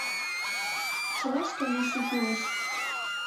Шелаш комиссий кӱлеш.